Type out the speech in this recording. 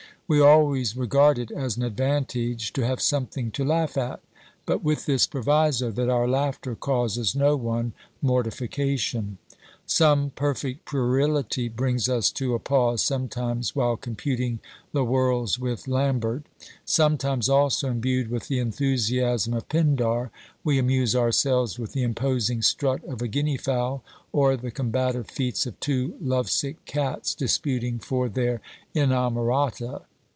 We always regard it as an advantage to have something to laugh at, but with this proviso, that our laughter causes no one mortification. Some perfect puerility brings us to a pause sometimes while computing the worlds with Lambert ; sometimes also, imbued with the enthusiasm of Pindar, we amuse ourselves with the imposing strut of a guinea fowl, or the combative feats of two love sick cats disputing for their inamorata.